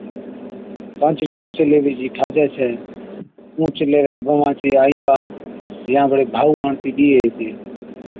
ڪانچڙِي آڇي ليوي چِي ٺاھجَي ڇَي۔ اُونھچ ليوَي بھوان چي آئِي ٻا يا بڙي ڀائُو آڻتِي ڏيئي ھِتي